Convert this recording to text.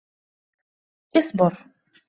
اصبر.